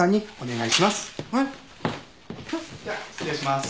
えっ？じゃあ失礼します。